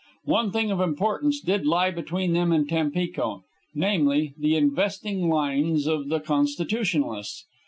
One thing of importance did lie between them and Tampico namely the investing lines of the constitutionalists.